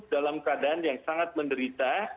dalam keadaan yang sangat menderita